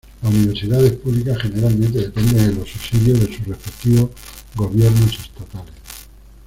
Las universidades públicas generalmente dependen de los subsidios de sus respectivos gobiernos estatales.